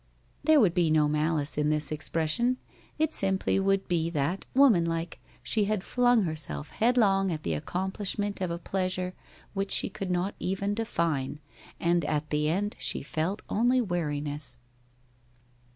There would be no malice in this expression. It simply would be that, womanlike, she had flung herself headlong at the accomplishment of a pleasure which she could not even define, and at the end she felt only weariness.